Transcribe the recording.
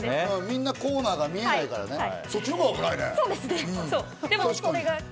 みんなコーナーが見えないからね。